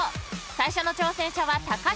最初の挑戦者は］